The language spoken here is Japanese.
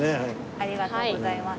ありがとうございます。